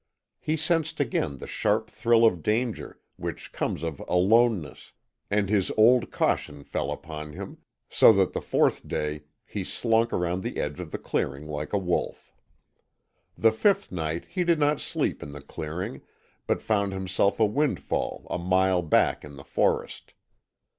He sensed again the sharp thrill of danger, which comes of ALONENESS, and his old caution fell upon him, so that the fourth day he slunk around the edge of the clearing like a wolf. The fifth night he did not sleep in the clearing but found himself a windfall a mile back in the forest.